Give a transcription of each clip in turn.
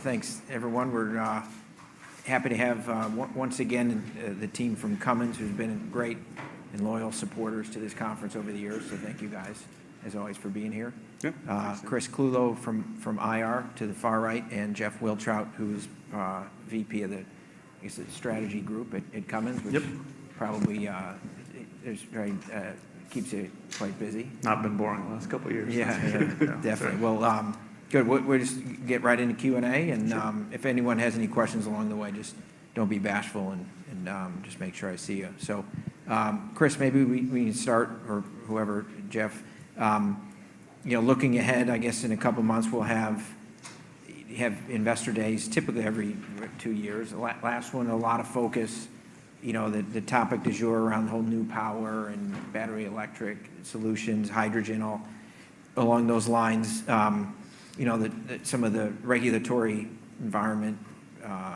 Thanks, everyone. We're happy to have once again the team from Cummins, who's been great and loyal supporters to this conference over the years. So thank you guys, as always, for being here. Chris Clulow from IR to the far right, and Jeff Wiltrout, who is VP of the, I guess, the Strategy Group at Cummins, which probably keeps it quite busy. Not been boring the last couple of years. Yeah, yeah, yeah. Definitely. Well, good. We'll just get right into Q&A, and if anyone has any questions along the way, just don't be bashful, and just make sure I see you. So Chris, maybe we can start, or whoever, Jeff. Looking ahead, I guess, in a couple of months, we'll have investor days, typically every two years. Last one, a lot of focus. The topic du jour around the whole new power and battery electric solutions, hydrogen, all along those lines. Some of the regulatory environment,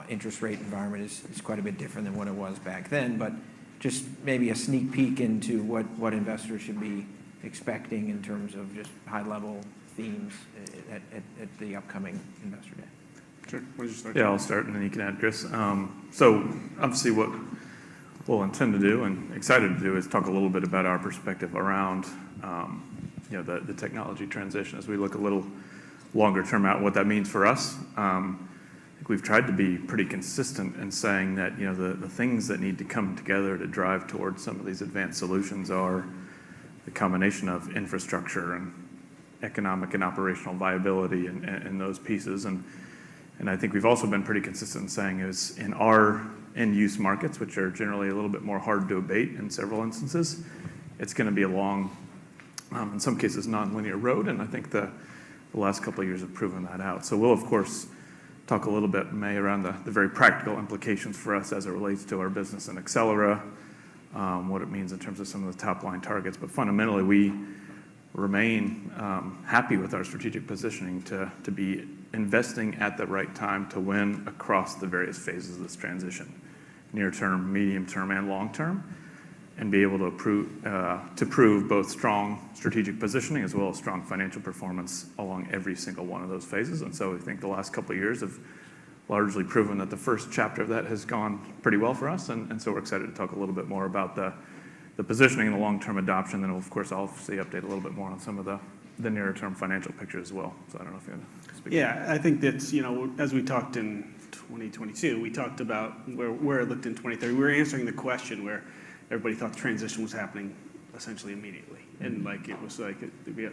interest rate environment, is quite a bit different than what it was back then. But just maybe a sneak peek into what investors should be expecting in terms of just high-level themes at the upcoming Investor Day. Sure. Why don't you start, Jeff? Yeah, I'll start, and then you can add, Chris. So obviously, what we'll intend to do and excited to do is talk a little bit about our perspective around the technology transition as we look a little longer term at what that means for us. I think we've tried to be pretty consistent in saying that the things that need to come together to drive towards some of these advanced solutions are the combination of infrastructure and economic and operational viability and those pieces. And I think we've also been pretty consistent in saying is in our end-use markets, which are generally a little bit more hard to debate in several instances, it's going to be a long, in some cases, non-linear road. And I think the last couple of years have proven that out. So we'll, of course, talk a little bit, May, around the very practical implications for us as it relates to our business in Accelera, what it means in terms of some of the top-line targets. But fundamentally, we remain happy with our strategic positioning to be investing at the right time to win across the various phases of this transition, near-term, medium-term, and long-term, and be able to prove both strong strategic positioning as well as strong financial performance along every single one of those phases. And so we think the last couple of years have largely proven that the first chapter of that has gone pretty well for us. And so we're excited to talk a little bit more about the positioning and the long-term adoption. Then, of course, I'll obviously update a little bit more on some of the nearer-term financial picture as well. So I don't know if you want to speak to that. Yeah. I think that as we talked in 2022, we talked about where it looked in 2030. We were answering the question where everybody thought the transition was happening essentially immediately. And it was like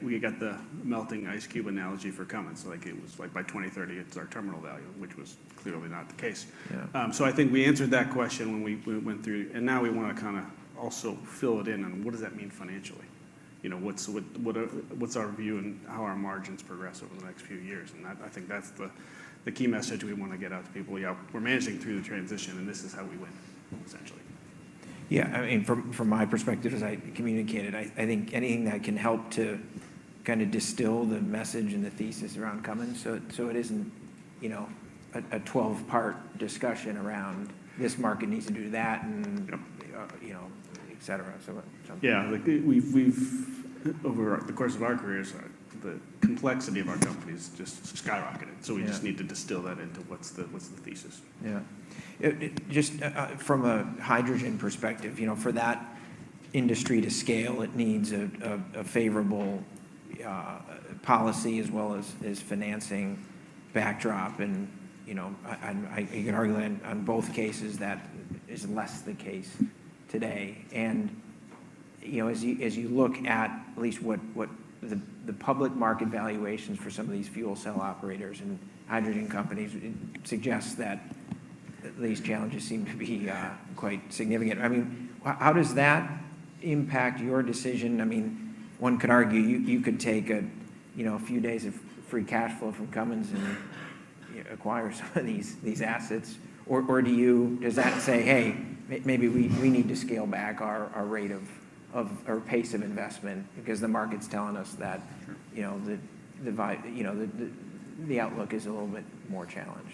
we got the melting ice cube analogy for Cummins. It was like by 2030, it's our terminal value, which was clearly not the case. So I think we answered that question when we went through. And now we want to kind of also fill it in on what does that mean financially? What's our view and how our margins progress over the next few years? And I think that's the key message we want to get out to people. Yeah, we're managing through the transition, and this is how we win, essentially. Yeah. I mean, from my perspective, as I communicated, I think anything that can help to kind of distill the message and the thesis around Cummins so it isn't a 12-part discussion around this market needs to do that, and etc. So something. Yeah. Over the course of our careers, the complexity of our company has just skyrocketed. So we just need to distill that into what's the thesis. Yeah. Just from a hydrogen perspective, for that industry to scale, it needs a favorable policy as well as financing backdrop. You can argue that in both cases. That is less the case today. As you look at least what the public market valuations for some of these fuel cell operators and hydrogen companies suggest, that these challenges seem to be quite significant. I mean, how does that impact your decision? I mean, one could argue you could take a few days of free cash flow from Cummins and acquire some of these assets. Or does that say, "Hey, maybe we need to scale back our rate of or pace of investment because the market's telling us that the outlook is a little bit more challenged"?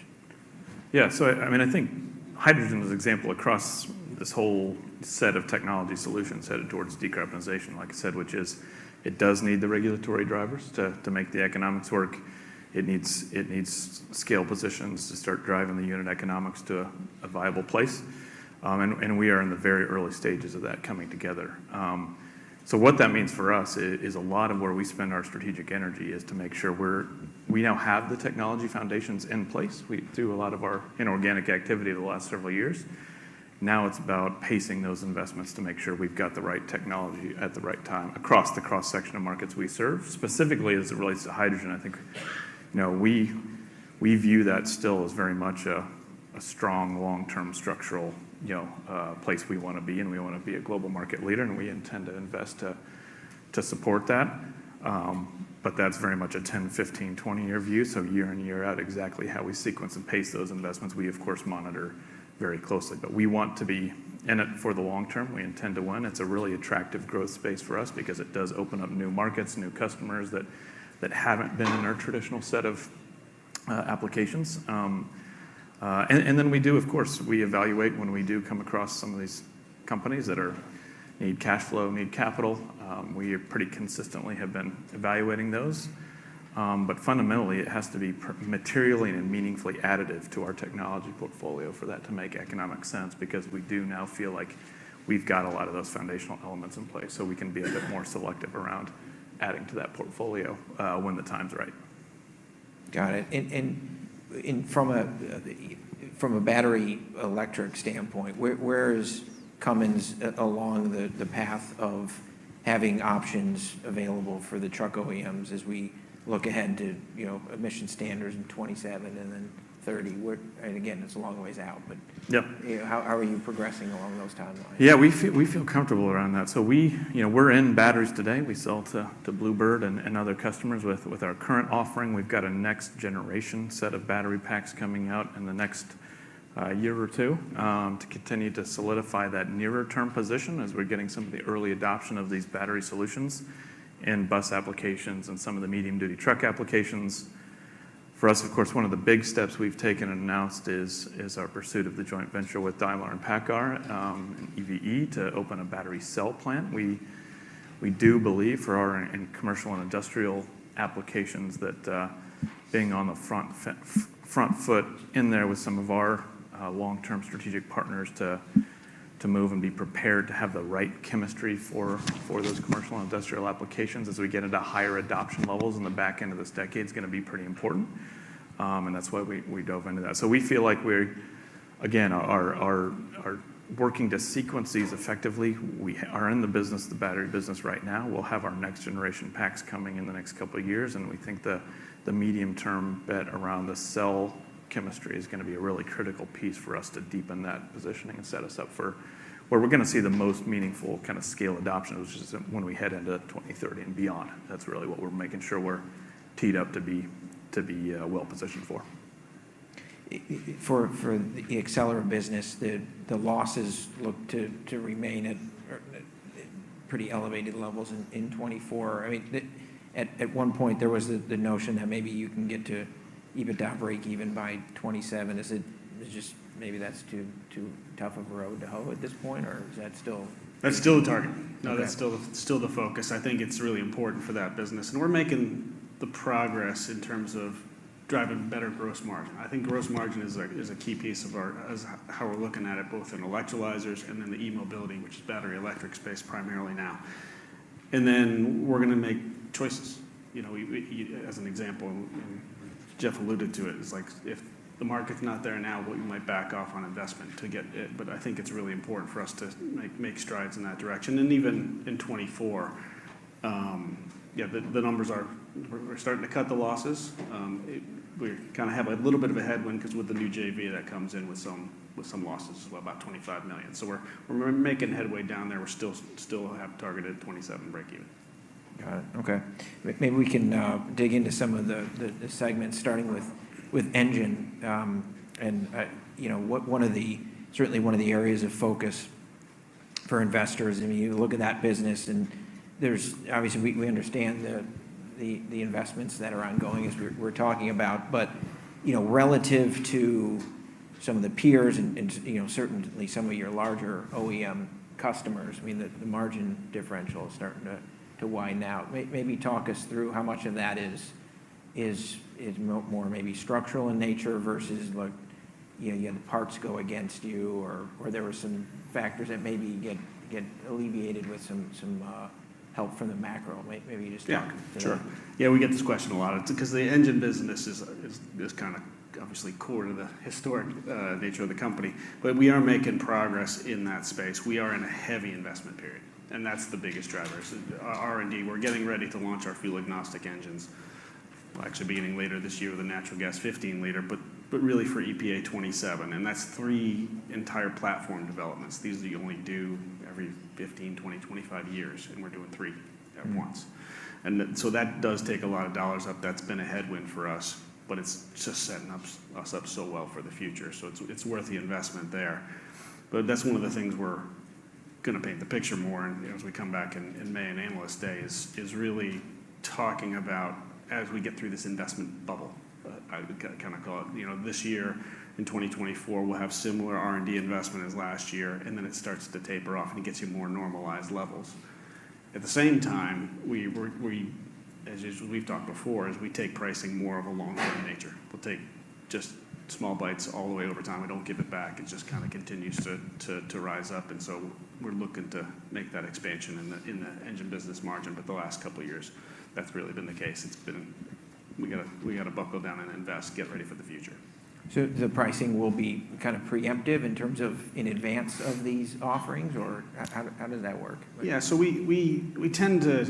Yeah. So I mean, I think hydrogen as an example across this whole set of technology solutions headed towards decarbonization, like I said, which is it does need the regulatory drivers to make the economics work. It needs scale positions to start driving the unit economics to a viable place. And we are in the very early stages of that coming together. So what that means for us is a lot of where we spend our strategic energy is to make sure we now have the technology foundations in place. We do a lot of our inorganic activity the last several years. Now it's about pacing those investments to make sure we've got the right technology at the right time across the cross-section of markets we serve. Specifically, as it relates to hydrogen, I think we view that still as very much a strong, long-term, structural place we want to be. And we want to be a global market leader, and we intend to invest to support that. But that's very much a 10, 15, 20-year view. So year and year out, exactly how we sequence and pace those investments, we, of course, monitor very closely. But we want to be in it for the long term. We intend to win. It's a really attractive growth space for us because it does open up new markets, new customers that haven't been in our traditional set of applications. And then we do, of course, we evaluate when we do come across some of these companies that need cash flow, need capital. We pretty consistently have been evaluating those. But fundamentally, it has to be materially and meaningfully additive to our technology portfolio for that to make economic sense because we do now feel like we've got a lot of those foundational elements in place. So we can be a bit more selective around adding to that portfolio when the time's right. Got it. And from a battery electric standpoint, where is Cummins along the path of having options available for the truck OEMs as we look ahead to emission standards in 2027 and then 2030? And again, it's a long ways out. But how are you progressing along those timelines? Yeah. We feel comfortable around that. So we're in batteries today. We sell to Blue Bird and other customers with our current offering. We've got a next-generation set of battery packs coming out in the next year or two to continue to solidify that nearer-term position as we're getting some of the early adoption of these battery solutions in bus applications and some of the medium-duty truck applications. For us, of course, one of the big steps we've taken and announced is our pursuit of the joint venture with Daimler and PACCAR, EVE to open a battery cell plant. We do believe for our commercial and industrial applications that being on the front foot in there with some of our long-term strategic partners to move and be prepared to have the right chemistry for those commercial and industrial applications as we get into higher adoption levels in the back end of this decade is going to be pretty important. And that's why we dove into that. So we feel like we're, again, working to sequence these effectively. We are in the business, the battery business, right now. We'll have our next-generation packs coming in the next couple of years. And we think the medium-term bet around the cell chemistry is going to be a really critical piece for us to deepen that positioning and set us up for where we're going to see the most meaningful kind of scale adoption, which is when we head into 2030 and beyond. That's really what we're making sure we're teed up to be well-positioned for. For the Accelera business, the losses look to remain at pretty elevated levels in 2024. I mean, at one point, there was the notion that maybe you can get to EBITDA break even by 2027. Is it just maybe that's too tough of a road to hoe at this point, or is that still? That's still a target. No, that's still the focus. I think it's really important for that business. And we're making the progress in terms of driving better gross margin. I think gross margin is a key piece of how we're looking at it, both in electrolyzers and then the e-Mobility, which is battery electric space primarily now. And then we're going to make choices. As an example, and Jeff alluded to it, it's like if the market's not there now, what you might back off on investment to get it. But I think it's really important for us to make strides in that direction. And even in 2024, yeah, the numbers are we're starting to cut the losses. We kind of have a little bit of a headwind because with the new JV that comes in with some losses as well, about $25 million. So we're making headway down there. We still have targeted 2027 break even. Got it. Okay. Maybe we can dig into some of the segments, starting with Engine. Certainly, one of the areas of focus for investors, I mean, you look at that business, and obviously, we understand the investments that are ongoing as we're talking about. But relative to some of the peers and certainly some of your larger OEM customers, I mean, the margin differential is starting to widen out. Maybe talk us through how much of that is more maybe structural in nature versus you had the parts go against you, or there were some factors that maybe get alleviated with some help from the macro. Maybe you just talk to. Yeah. Sure. Yeah, we get this question a lot because the engine business is kind of obviously core to the historic nature of the company. But we are making progress in that space. We are in a heavy investment period. And that's the biggest driver. R&D, we're getting ready to launch our fuel-agnostic engines, actually beginning later this year with a natural gas 15-liter, but really for EPA '27. And that's three entire platform developments. These are the only two every 15, 20, and 25 years. And we're doing three at once. And so that does take a lot of dollars up. That's been a headwind for us. But it's just setting us up so well for the future. So it's worth the investment there. But that's one of the things we're going to paint the picture more as we come back in May in Analyst Day is really talking about as we get through this investment bubble, I kind of call it. This year in 2024, we'll have similar R&D investment as last year. And then it starts to taper off, and it gets you more normalized levels. At the same time, as we've talked before, is we take pricing more of a long-term nature. We'll take just small bites all the way over time. We don't give it back. It just kind of continues to rise up. And so we're looking to make that expansion in the engine business margin. But the last couple of years, that's really been the case. We got to buckle down and invest, get ready for the future. So the pricing will be kind of preemptive in terms of in advance of these offerings, or how does that work? Yeah. So we tend to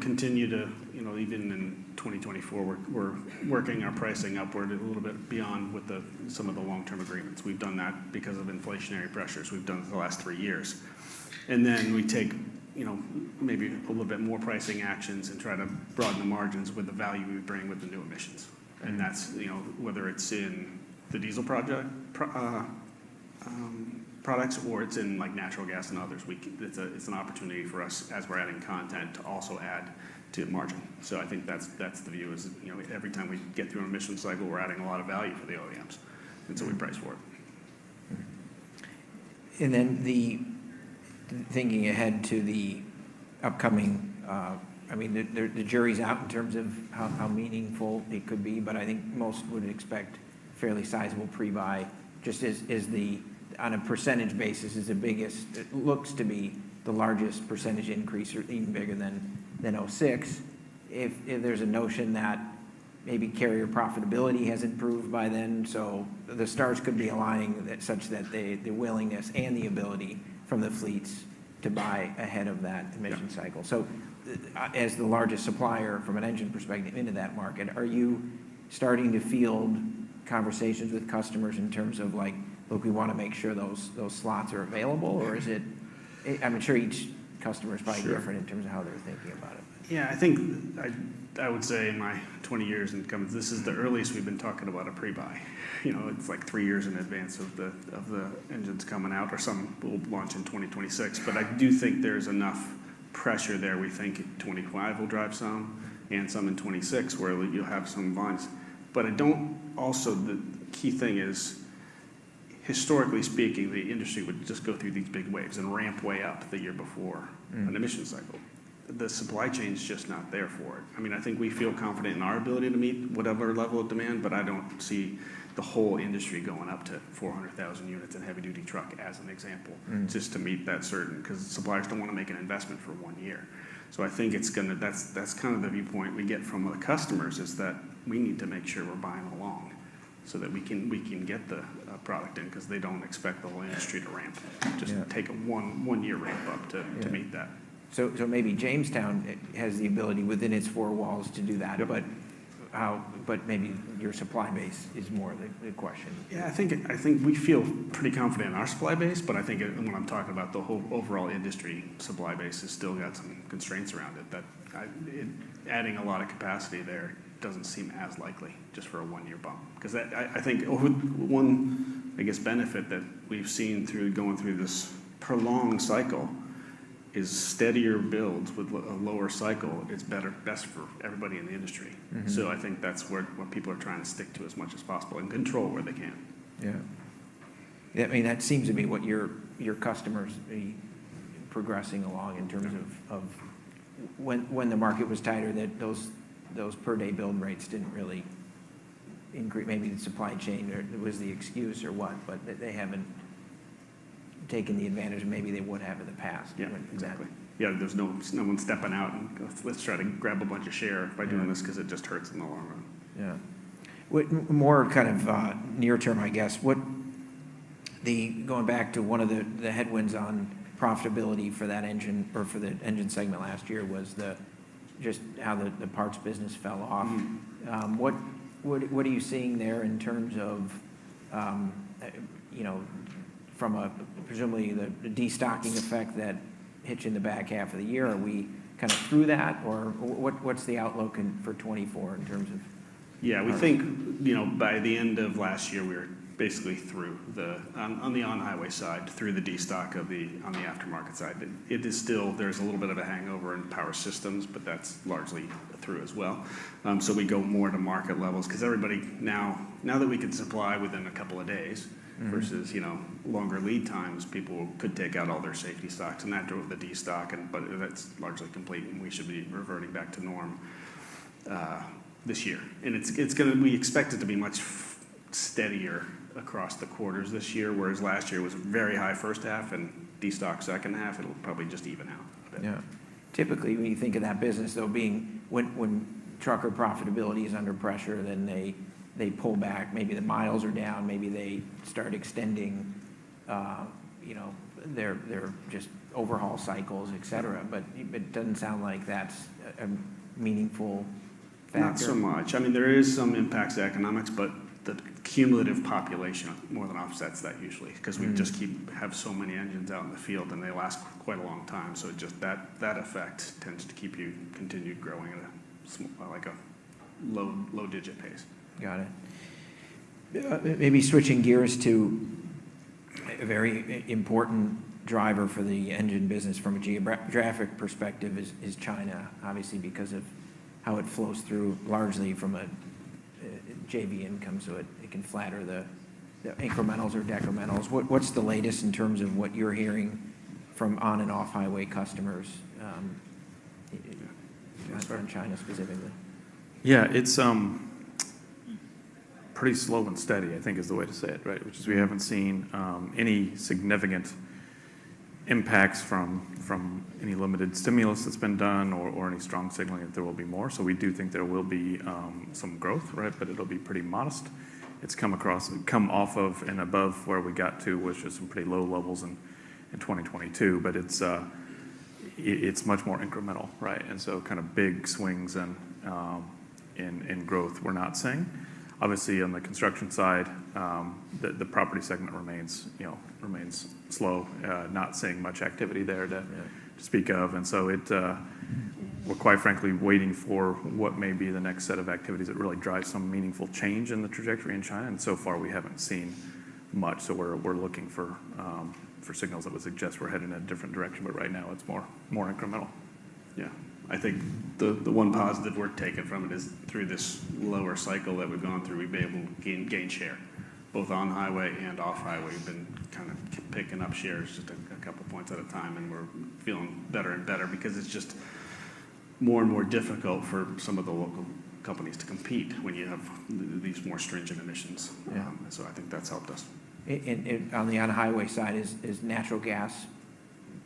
continue to even in 2024, we're working our pricing upward a little bit beyond with some of the long-term agreements. We've done that because of inflationary pressures. We've done it the last three years. And then we take maybe a little bit more pricing actions and try to broaden the margins with the value we bring with the new emissions. And that's whether it's in the diesel products or it's in natural gas and others. It's an opportunity for us as we're adding content to also add to margin. So I think that's the view is every time we get through an emission cycle, we're adding a lot of value for the OEMs. And so we price for it. Then thinking ahead to the upcoming. I mean, the jury's out in terms of how meaningful it could be. But I think most would expect fairly sizable pre-buy just as the, on a percentage basis, it looks to be the largest percentage increase or even bigger than 2006 if there's a notion that maybe carrier profitability has improved by then. So the stars could be aligned such that the willingness and the ability from the fleets to buy ahead of that emission cycle. So as the largest supplier from an engine perspective into that market, are you starting to field conversations with customers in terms of like, "Look, we want to make sure those slots are available"? Or is it? I'm sure each customer's probably different in terms of how they're thinking about it. Yeah. I think I would say in my 20 years in Cummins, this is the earliest we've been talking about a pre-buy. It's like three years in advance of the engines coming out or some will launch in 2026. But I do think there's enough pressure there. We think 2025 will drive some and some in 2026 where you'll have some volumes. But also, the key thing is, historically speaking, the industry would just go through these big waves and ramp way up the year before an emission cycle. The supply chain's just not there for it. I mean, I think we feel confident in our ability to meet whatever level of demand. But I don't see the whole industry going up to 400,000 units in heavy-duty truck as an example just to meet that certain because suppliers don't want to make an investment for 1 year. So I think it's going to—that's kind of the viewpoint we get from the customers is that we need to make sure we're buying along so that we can get the product in because they don't expect the whole industry to ramp. Just take a one year ramp up to meet that. Maybe Jamestown has the ability within its four walls to do that. Maybe your supply base is more the question. Yeah. I think we feel pretty confident in our supply base. But I think when I'm talking about the overall industry supply base, it's still got some constraints around it. Adding a lot of capacity there doesn't seem as likely just for a one-year bump because I think one, I guess, benefit that we've seen going through this prolonged cycle is steadier builds with a lower cycle is best for everybody in the industry. So I think that's what people are trying to stick to as much as possible and control where they can. Yeah. Yeah. I mean, that seems to be what your customers progressing along in terms of when the market was tighter, that those per-day build rates didn't really, maybe the supply chain was the excuse or what. But they haven't taken the advantage that maybe they would have in the past. Exactly. Yeah. Exactly. Yeah. There's no one stepping out and goes, "Let's try to grab a bunch of shares by doing this because it just hurts in the long run. Yeah. More kind of near-term, I guess, going back to one of the headwinds on profitability for that engine or for the Engine segment last year was just how the parts business fell off. What are you seeing there in terms of presumably the destocking effect that hit you in the back half of the year? Are we kind of through that, or what's the outlook for 2024 in terms of? Yeah. We think by the end of last year, we were basically through on the On-Highway side, through the destock of the on the aftermarket side. There's a little bit of a hangover in Power Systems, but that's largely through as well. So we go more to market levels because everybody now that we could supply within a couple of days versus longer lead times, people could take out all their safety stocks. And that drove the destock. But that's largely complete. And we should be reverting back to norm this year. And we expect it to be much steadier across the quarters this year, whereas last year was a very high first half and destocked second half. It'll probably just even out a bit. Yeah. Typically, when you think of that business, though, when trucker profitability is under pressure, then they pull back. Maybe the miles are down. Maybe they start extending their just overhaul cycles, etc. But it doesn't sound like that's a meaningful factor. Not so much. I mean, there is some impact to economics. But the cumulative population more than offsets that usually because we just keep have so many engines out in the field, and they last quite a long time. So that effect tends to keep you continued growing at a low-digit pace. Got it. Maybe switching gears to a very important driver for the engine business from a geographic perspective is China, obviously, because of how it flows through largely from a JV income. So it can flatter the incrementals or decrementals. What's the latest in terms of what you're hearing from on- and off-highway customers as far as China specifically? Yeah. It's pretty slow and steady, I think, is the way to say it, right, which is we haven't seen any significant impacts from any limited stimulus that's been done or any strong signaling that there will be more. So we do think there will be some growth, right, but it'll be pretty modest. It's come off of and above where we got to, which is some pretty low levels in 2022. But it's much more incremental, right? And so kind of big swings in growth, we're not seeing. Obviously, on the construction side, the property segment remains slow, not seeing much activity there to speak of. And so we're quite frankly waiting for what may be the next set of activities that really drive some meaningful change in the trajectory in China. And so far, we haven't seen much. So we're looking for signals that would suggest we're heading in a different direction. But right now, it's more incremental. Yeah. I think the one positive we're taking from it is through this lower cycle that we've gone through, we've been able to gain share both on highway and off highway. We've been kind of picking up shares just a couple of points at a time. And we're feeling better and better because it's just more and more difficult for some of the local companies to compete when you have these more stringent emissions. So I think that's helped us. On the On-Highway side, is natural gas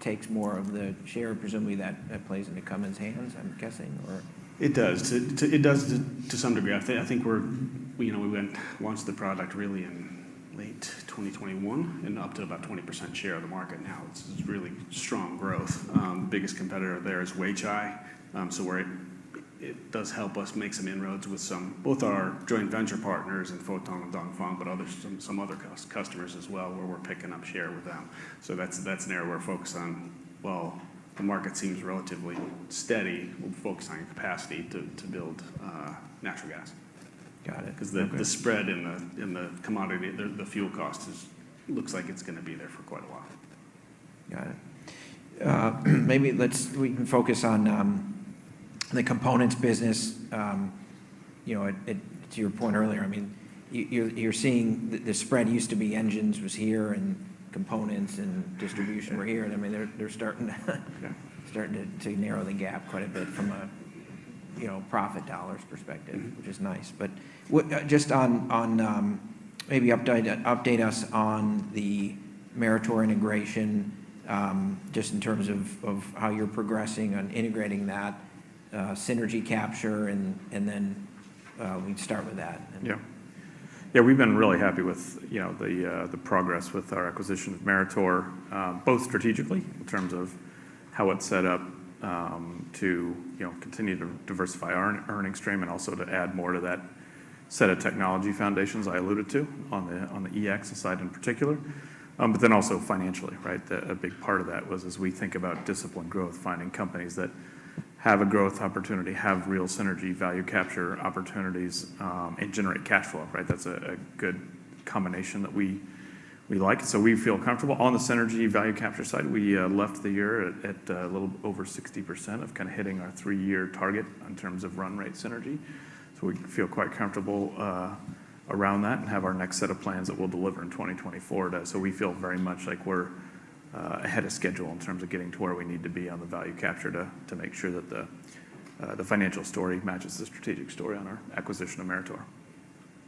takes more of the share, presumably that plays into Cummins' hands, I'm guessing, or? It does to some degree. I think we went launched the product really in late 2021 and up to about 20% share of the market now. It's really strong growth. The biggest competitor there is Weichai. So it does help us make some inroads with both our joint venture partners in Foton and Dongfeng but some other customers as well where we're picking up share with them. So that's an area where we're focused on, well, the market seems relatively steady. We'll be focusing on capacity to build natural gas because the spread in the commodity, the fuel cost, looks like it's going to be there for quite a while. Got it. Maybe we can focus on the Components business. To your point earlier, I mean, you're seeing the spread used to be Engines was here and Components and Distribution were here. And I mean, they're starting to narrow the gap quite a bit from a profit dollars perspective, which is nice. But just maybe update us on the Meritor integration just in terms of how you're progressing on integrating that synergy capture. And then we can start with that. Yeah. Yeah. We've been really happy with the progress with our acquisition of Meritor both strategically in terms of how it's set up to continue to diversify our earnings stream and also to add more to that set of technology foundations I alluded to on the EX side in particular but then also financially, right? A big part of that was as we think about discipline growth, finding companies that have a growth opportunity, have real synergy value capture opportunities, and generate cash flow, right? That's a good combination that we like. So we feel comfortable. On the synergy value capture side, we left the year at a little over 60% of kind of hitting our three-year target in terms of run-rate synergy. So we feel quite comfortable around that and have our next set of plans that we'll deliver in 2024. We feel very much like we're ahead of schedule in terms of getting to where we need to be on the value capture to make sure that the financial story matches the strategic story on our acquisition of Meritor.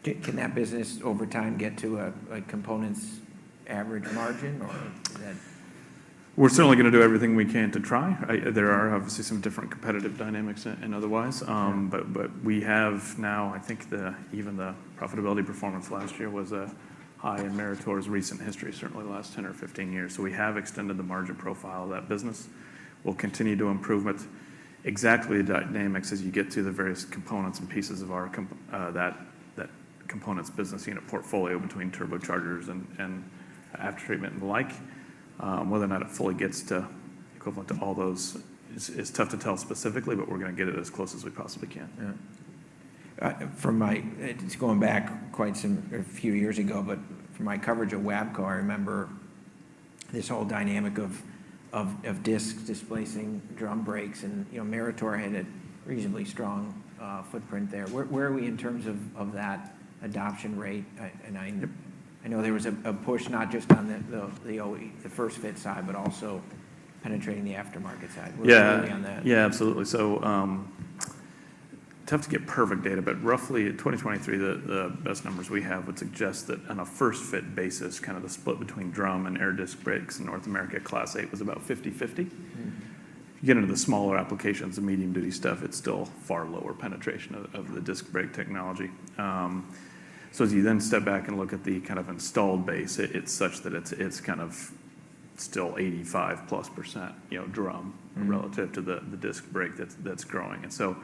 Can that business over time get to a Components average margin, or is that? We're certainly going to do everything we can to try. There are obviously some different competitive dynamics and otherwise. But we have now, I think even the profitability performance last year was high in Meritor's recent history, certainly the last 10 or 15 years. So we have extended the margin profile of that business. We'll continue to improve with exactly the dynamics as you get to the various components and pieces of that Components business unit portfolio between turbochargers and aftertreatment and the like. Whether or not it fully gets to equivalent to all those is tough to tell specifically. But we're going to get it as close as we possibly can. Yeah. It's going back quite a few years ago. But from my coverage of WABCO, I remember this whole dynamic of discs displacing drum brakes. And Meritor had a reasonably strong footprint there. Where are we in terms of that adoption rate? And I know there was a push not just on the first-fit side but also penetrating the aftermarket side. What are you on that? Yeah. Yeah. Absolutely. Tough to get perfect data. But roughly, in 2023, the best numbers we have would suggest that on a first-fit basis, kind of the split between drum and air disc brakes in North America Class 8 was about 50/50. If you get into the smaller applications, the medium-duty stuff, it's still far lower penetration of the Disc Brake technology. As you then step back and look at the kind of installed base, it's such that it's kind of still 85+% drum relative to the disc brake that's growing. And so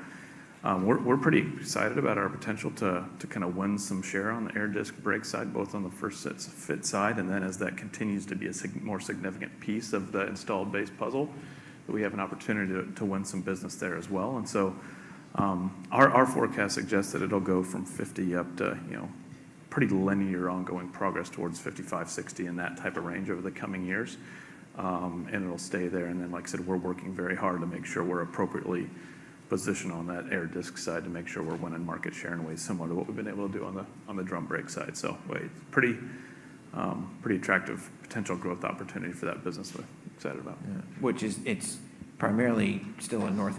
we're pretty excited about our potential to kind of win some share on the air disc brake side, both on the first-fit side and then as that continues to be a more significant piece of the installed base puzzle, that we have an opportunity to win some business there as well. Our forecast suggests that it'll go from 50 up to pretty linear ongoing progress towards 55-60 in that type of range over the coming years. It'll stay there. Then, like I said, we're working very hard to make sure we're appropriately positioned on that air disc side to make sure we're winning market share in ways similar to what we've been able to do on the drum brake side. It's a pretty attractive potential growth opportunity for that business we're excited about. Yeah. Which it's primarily still a North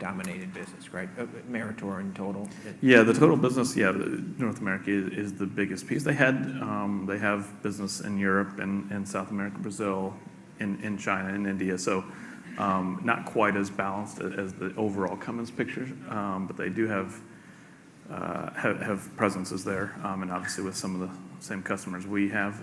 American-dominated business, right, Meritor in total? Yeah. The total business, yeah, North America is the biggest piece. They have business in Europe and South America, Brazil, in China, and India. So not quite as balanced as the overall Cummins picture. But they do have presences there and obviously with some of the same customers we have.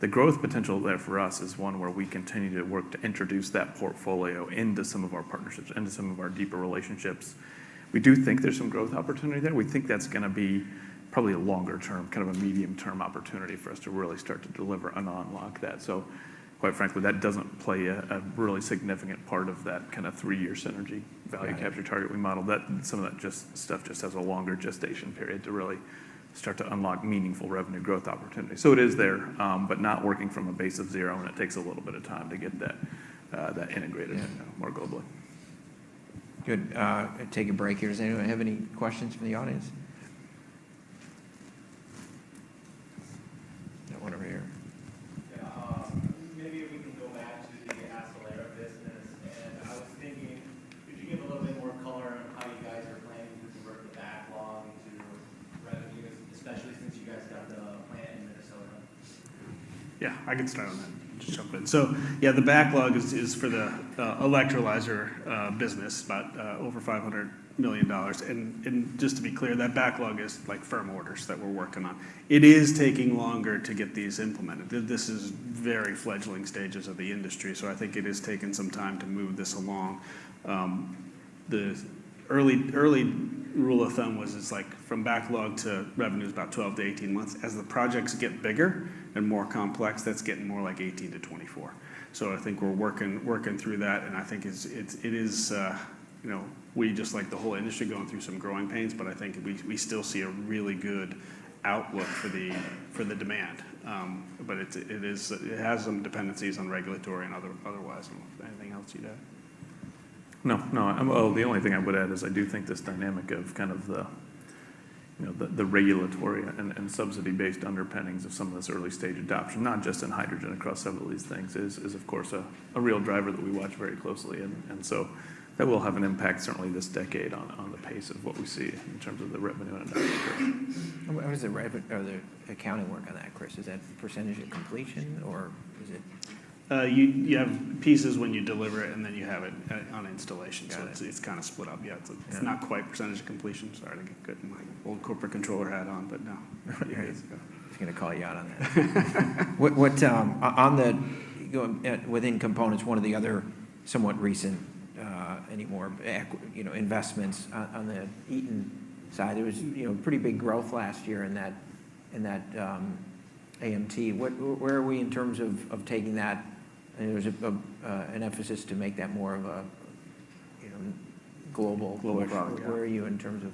The growth potential there for us is one where we continue to work to introduce that portfolio into some of our partnerships, into some of our deeper relationships. We do think there's some growth opportunity there. We think that's going to be probably a longer-term, kind of a medium-term opportunity for us to really start to deliver and unlock that. So quite frankly, that doesn't play a really significant part of that kind of three-year synergy value capture target we modeled. Some of that stuff just has a longer gestation period to really start to unlock meaningful revenue growth opportunities. It is there but not working from a base of zero. It takes a little bit of time to get that integrated more globally. Good. Take a break here. Does anyone have any questions from the audience? Not one over here. Yeah. Maybe we can go back to the Accelera business. I was thinking, could you give a little bit more color on how you guys are planning to convert the backlog into revenues, especially since you guys got the plant in Minnesota? Yeah. I can start on that and just jump in. So yeah, the backlog is for the electrolyzer business, about over $500 million. And just to be clear, that backlog is firm orders that we're working on. It is taking longer to get these implemented. This is very fledgling stages of the industry. So I think it has taken some time to move this along. The early rule of thumb was it's from backlog to revenue is about 12-18 months. As the projects get bigger and more complex, that's getting more like 18-24. So I think we're working through that. And I think it is we just like the whole industry going through some growing pains. But I think we still see a really good outlook for the demand. But it has some dependencies on regulatory and otherwise. Anything else you'd add? No. No. The only thing I would add is I do think this dynamic of kind of the regulatory and subsidy-based underpinnings of some of this early-stage adoption, not just in hydrogen across several of these things, is, of course, a real driver that we watch very closely. And so that will have an impact, certainly this decade, on the pace of what we see in terms of the revenue and adoption curve. I was going to say, right, but are there accounting work on that, Chris? Is that percentage of completion, or is it? You have pieces when you deliver it, and then you have it on installation. So it's kind of split up. Yeah. It's not quite percentage of completion. Sorry to get good in my old corporate controller hat on. But no, here it is. I was going to call you out on that. On the Components, one of the other somewhat recent investments on the Eaton side, there was pretty big growth last year in that AMT. Where are we in terms of taking that? I mean, there was an emphasis to make that more of a global approach. Where are you in terms of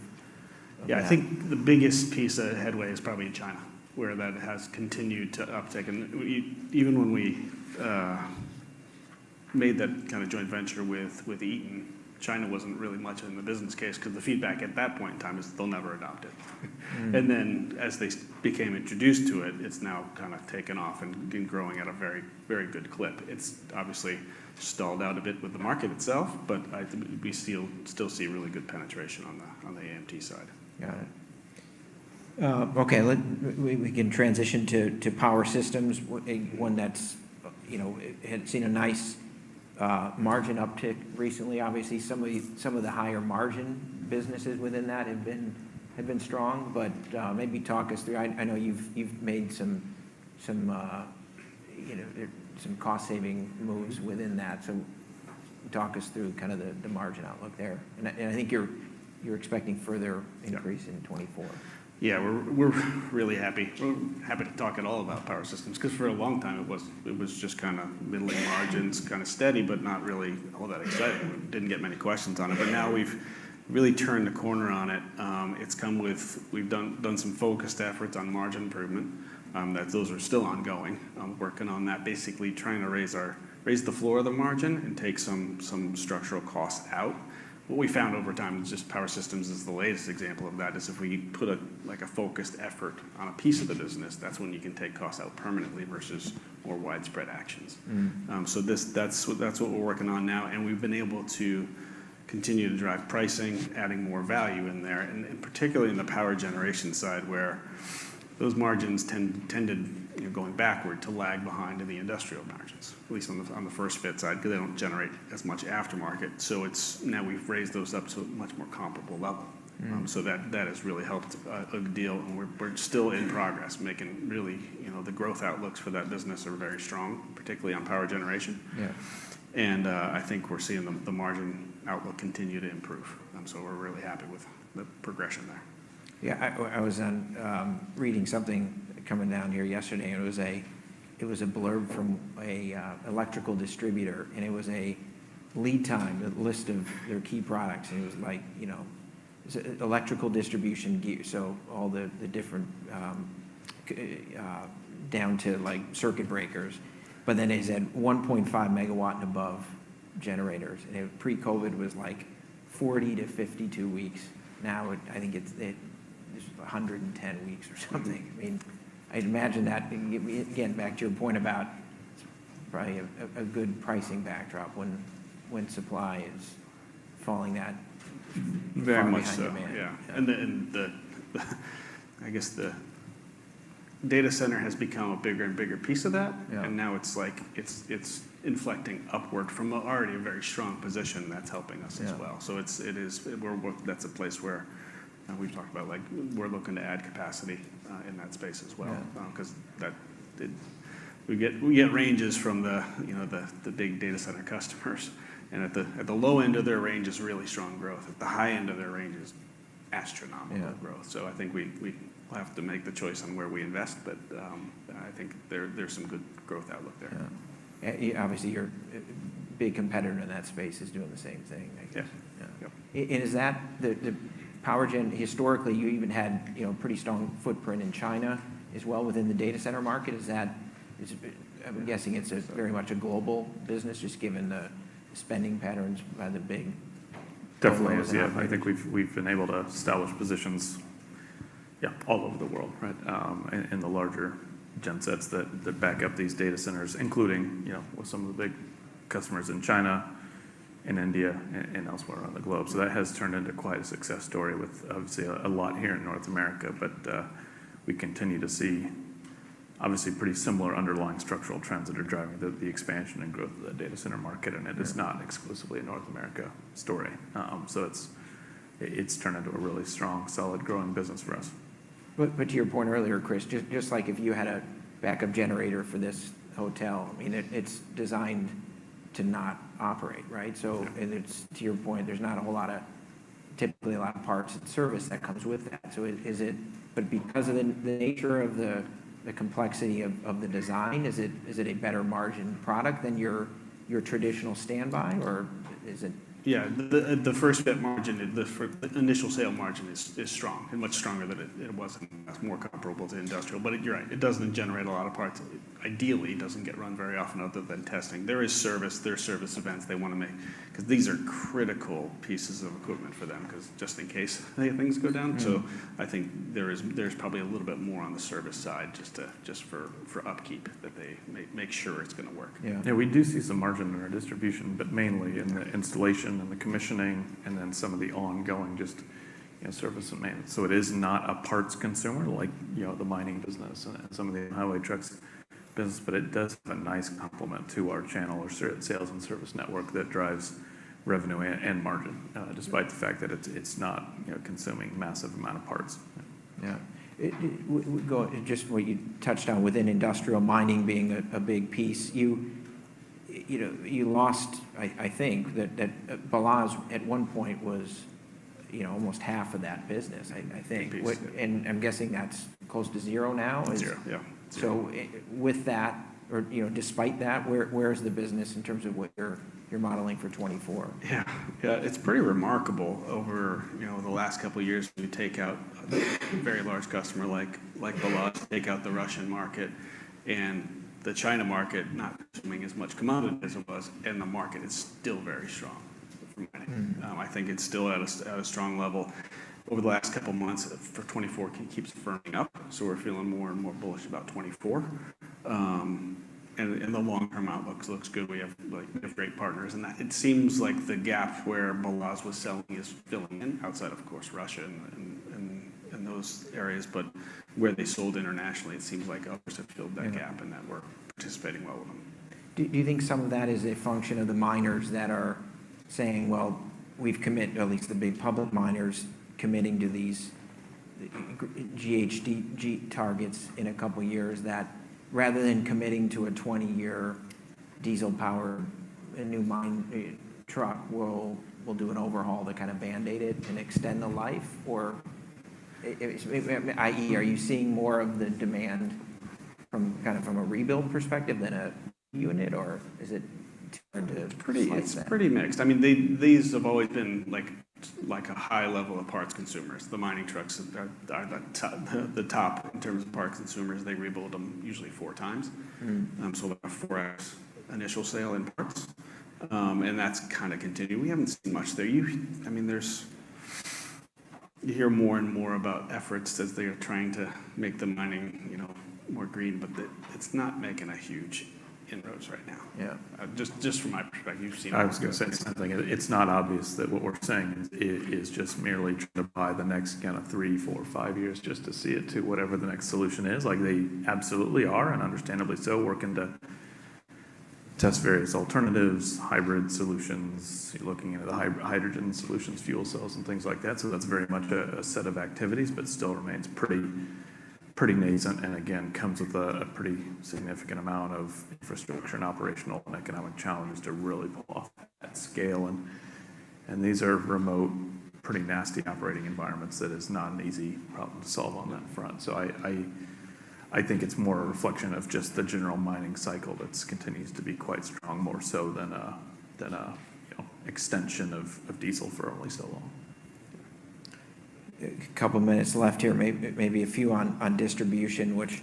that? Yeah. I think the biggest piece of headway is probably in China where that has continued to uptake. And even when we made that kind of joint venture with Eaton, China wasn't really much in the business case because the feedback at that point in time is they'll never adopt it. And then as they became introduced to it, it's now kind of taken off and growing at a very, very good clip. It's obviously stalled out a bit with the market itself. But we still see really good penetration on the AMT side. Got it. Okay. We can transition to power systems, one that's seen a nice margin uptick recently, obviously. Some of the higher-margin businesses within that have been strong. But maybe talk us through, I know you've made some cost-saving moves within that. So talk us through kind of the margin outlook there. And I think you're expecting further increase in 2024. Yeah. We're really happy. We're happy to talk at all about power systems because for a long time, it was just kind of middling margins, kind of steady but not really all that exciting. We didn't get many questions on it. But now we've really turned the corner on it. We've done some focused efforts on margin improvement. Those are still ongoing. I'm working on that, basically trying to raise the floor of the margin and take some structural costs out. What we found over time is just power systems is the latest example of that. If we put a focused effort on a piece of the business, that's when you can take costs out permanently versus more widespread actions. So that's what we're working on now. We've been able to continue to drive pricing, adding more value in there, and particularly in the power generation side where those margins tended, going backward, to lag behind in the industrial margins, at least on the first-fit side because they don't generate as much aftermarket. So now we've raised those up to a much more comparable level. So that has really helped a deal. And we're still in progress making really the growth outlooks for that business are very strong, particularly on power generation. And I think we're seeing the margin outlook continue to improve. So we're really happy with the progression there. Yeah. I was reading something coming down here yesterday. It was a blurb from an electrical distributor. And it was a lead time, a list of their key products. And it was electrical distribution gear, so all the different down to circuit breakers. But then it said 1.5 Megawatt and above generators. And pre-COVID, it was 40-52 weeks. Now, I think it's 110 weeks or something. I mean, I'd imagine that again, back to your point about it's probably a good pricing backdrop when supply is falling that far behind demand. Very much so. Yeah. And I guess the data center has become a bigger and bigger piece of that. And now it's inflecting upward from already a very strong position that's helping us as well. So that's a place where we've talked about we're looking to add capacity in that space as well because we get ranges from the big data center customers. And at the low end of their range is really strong growth. At the high end of their range is astronomical growth. So I think we'll have to make the choice on where we invest. But I think there's some good growth outlook there. Yeah. Obviously, your big competitor in that space is doing the same thing, I guess. Is that the power gen? Historically, you even had a pretty strong footprint in China as well within the data center market. I'm guessing it's very much a global business just given the spending patterns by the big. Definitely is. Yeah. I think we've been able to establish positions, yeah, all over the world, right, in the larger gen sets that back up these data centers, including with some of the big customers in China, in India, and elsewhere on the globe. So that has turned into quite a success story with, obviously, a lot here in North America. But we continue to see, obviously, pretty similar underlying structural trends that are driving the expansion and growth of the data center market. And it is not exclusively a North America story. So it's turned into a really strong, solid, growing business for us. But to your point earlier, Chris, just like if you had a backup generator for this hotel, I mean, it's designed to not operate, right? And to your point, there's not a whole lot of typically a lot of parts and service that comes with that. But because of the nature of the complexity of the design, is it a better margin product than your traditional standby? Or is it? Yeah. The first-fit margin, the initial sale margin, is strong and much stronger than it was. It's more comparable to industrial. But you're right. It doesn't generate a lot of parts. Ideally, it doesn't get run very often other than testing. There is service. There are service events they want to make because these are critical pieces of equipment for them just in case things go down. So I think there's probably a little bit more on the service side just for upkeep that they make sure it's going to work. Yeah. Yeah. We do see some margin in our Distribution but mainly in the installation and the commissioning and then some of the ongoing just service and maintenance. So it is not a parts consumer like the mining business and some of the highway trucks business. But it does have a nice complement to our channel or sales and service network that drives revenue and margin despite the fact that it's not consuming a massive amount of parts. Yeah. Just what you touched on within industrial mining being a big piece, you lost, I think, that BELAZ at one point was almost half of that business, I think. And I'm guessing that's close to zero now. 0. Yeah. 0. With that or despite that, where is the business in terms of what you're modeling for 2024? Yeah. Yeah. It's pretty remarkable over the last couple of years when you take out a very large customer like BELAZ, take out the Russian market and the China market, not consuming as much commodity as it was, and the market is still very strong for mining. I think it's still at a strong level. Over the last couple of months, for 2024, it keeps firming up. So we're feeling more and more bullish about 2024. And the long-term outlook looks good. We have great partners. And it seems like the gap where BELAZ was selling is filling in outside, of course, Russia and those areas. But where they sold internationally, it seems like others have filled that gap. And that we're participating well with them. Do you think some of that is a function of the miners that are saying, "Well, we've committed," or at least the big public miners committing to these GHG targets in a couple of years, that rather than committing to a 20-year diesel-powered new mine truck, we'll do an overhaul to kind of band-aid it and extend the life? Or i.e., are you seeing more of the demand kind of from a rebuild perspective than a unit? Or is it tend to slice that? Pretty mixed. I mean, these have always been a high level of parts consumers. The mining trucks are the top in terms of parts consumers. They rebuild them usually four times. So about a 4x initial sale in parts. And that's kind of continuing. We haven't seen much there. I mean, you hear more and more about efforts as they are trying to make the mining more green. But it's not making a huge inroads right now. Just from my perspective, you've seen it. I was going to say something. It's not obvious that what we're saying is just merely trying to buy the next kind of 3, 4, 5 years just to see it to whatever the next solution is. They absolutely are and understandably so working to test various alternatives, hybrid solutions, looking into the hydrogen solutions, fuel cells, and things like that. So that's very much a set of activities but still remains pretty nascent and, again, comes with a pretty significant amount of infrastructure and operational and economic challenges to really pull off at scale. And these are remote, pretty nasty operating environments that is not an easy problem to solve on that front. So I think it's more a reflection of just the general mining cycle that continues to be quite strong, more so than an extension of diesel for only so long. A couple of minutes left here. Maybe a few on Distribution, which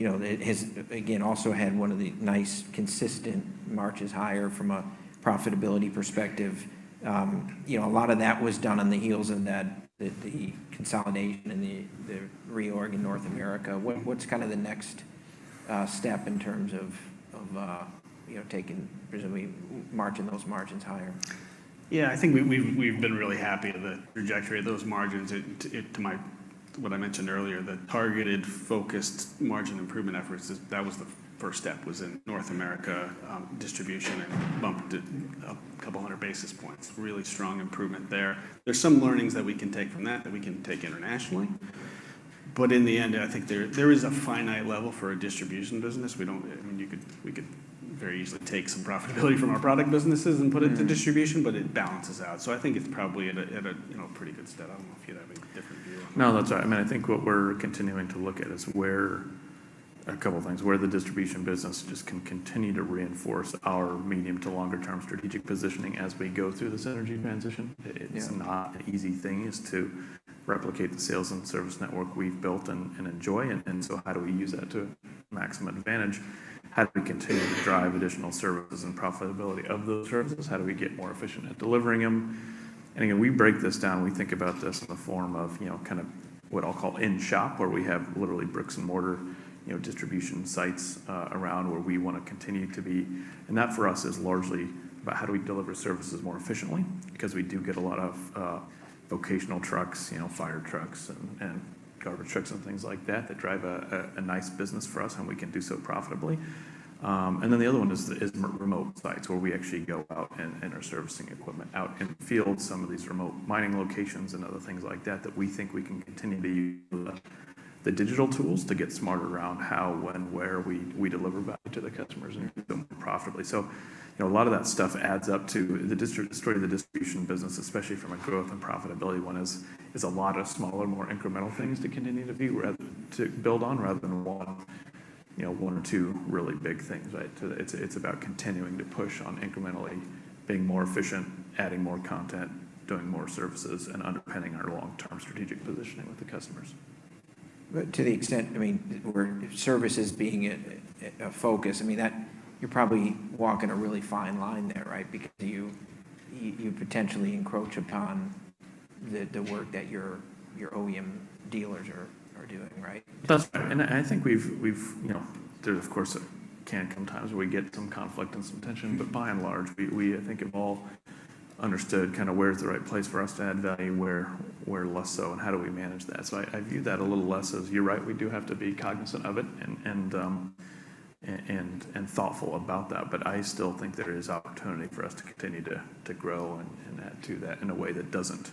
has, again, also had one of the nice, consistent marches higher from a profitability perspective. A lot of that was done on the heels of the consolidation and the reorg in North America. What's kind of the next step in terms of taking, presumably, marching those margins higher? Yeah. I think we've been really happy with the trajectory of those margins. What I mentioned earlier, the targeted, focused margin improvement efforts, that was the first step, was in North America distribution and bumped a couple of hundred basis points. Really strong improvement there. There's some learnings that we can take from that that we can take internationally. But in the end, I think there is a finite level for a distribution business. I mean, we could very easily take some profitability from our product businesses and put it to Distribution. But it balances out. So I think it's probably at a pretty good step. I don't know if you'd have a different view. No. That's right. I mean, I think what we're continuing to look at is a couple of things, where the Distribution business just can continue to reinforce our medium to longer-term strategic positioning as we go through this energy transition. It's not an easy thing to replicate the sales and service network we've built and enjoy. And so how do we use that to maximum advantage? How do we continue to drive additional services and profitability of those services? How do we get more efficient at delivering them? And again, we break this down. We think about this in the form of kind of what I'll call in-shop where we have literally bricks and mortar distribution sites around where we want to continue to be. That, for us, is largely about how do we deliver services more efficiently because we do get a lot of vocational trucks, fire trucks, and garbage trucks, and things like that that drive a nice business for us and we can do so profitably. And then the other one is remote sites where we actually go out and our servicing equipment out in the field, some of these remote mining locations and other things like that that we think we can continue to use the digital tools to get smarter around how, when, where we deliver value to the customers and do so more profitably. So a lot of that stuff adds up to the story of the Distribution business, especially from a growth and profitability one, is a lot of smaller, more incremental things to continue to build on rather than one or two really big things, right? It's about continuing to push on incrementally being more efficient, adding more content, doing more services, and underpinning our long-term strategic positioning with the customers. But to the extent, I mean, services being a focus, I mean, you're probably walking a really fine line there, right, because you potentially encroach upon the work that your OEM dealers are doing, right? That's right. And I think there can come times where we get some conflict and some tension. But by and large, I think we've all understood kind of where's the right place for us to add value, where less so, and how do we manage that. So I view that a little less as, "You're right. We do have to be cognizant of it and thoughtful about that." But I still think there is opportunity for us to continue to grow and add to that in a way that doesn't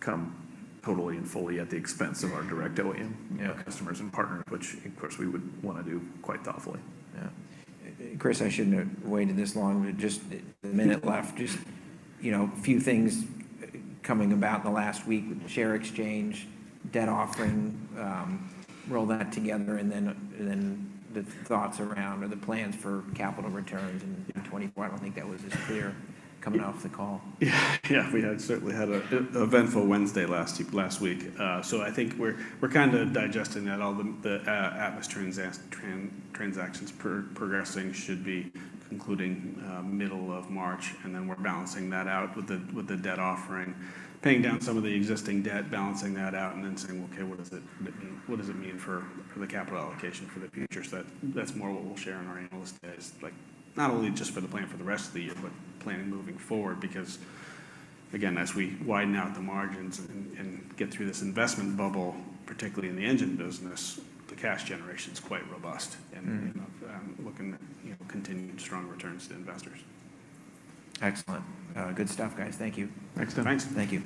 come totally and fully at the expense of our direct OEM customers and partners, which, of course, we would want to do quite thoughtfully. Yeah. Chris, I shouldn't have waited this long. Just the minute left. Just a few things coming about in the last week with the share exchange, debt offering, roll that together. And then the thoughts around or the plans for capital returns in 2024. I don't think that was as clear coming off the call. Yeah. Yeah. We certainly had an eventful Wednesday last week. So I think we're kind of digesting that. All the Atmus transactions progressing should be concluding middle of March. And then we're balancing that out with the debt offering, paying down some of the existing debt, balancing that out, and then saying, "Okay. What does it mean for the capital allocation for the future?" So that's more what we'll share in our Analyst Days, not only just for the plan for the rest of the year but planning moving forward because, again, as we widen out the margins and get through this investment bubble, particularly in the engine business, the cash generation's quite robust and looking at continued strong returns to investors. Excellent. Good stuff, guys. Thank you. Thanks, Tim. Thanks. Thank you.